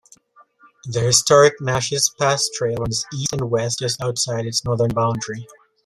The historic Naches Pass Trail runs east and west just outside its northern boundary.